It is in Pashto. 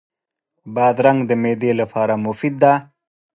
بادرنګ د معدې لپاره مفید دی.